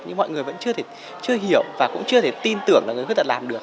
nhưng mọi người vẫn chưa hiểu và cũng chưa thể tin tưởng là người khuyết tật làm được